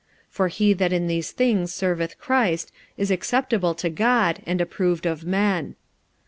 45:014:018 For he that in these things serveth Christ is acceptable to God, and approved of men.